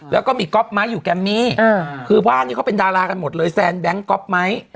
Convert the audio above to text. แล้วก็มีก๊อปไม้อยู่แกมมี่คือบ้านนี้เขาเป็นดารากันหมดเลยแซนแบงค์ก๊อปไหม